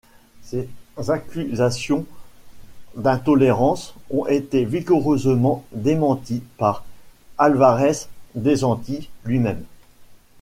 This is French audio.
Ces accusations d'intolérance ont été vigoureusement démenties par Alvarez Desanti lui-même.